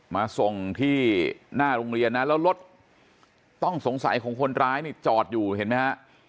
มาส่งที่หน้าโรงเรียนนะแล้วรถต้องสงสัยของคนร้ายนี่จอดอยู่เห็นไหมฮะ